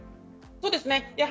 そうです。